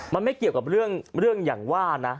มันไม่เกี่ยวกับเรื่องอย่างว่านะ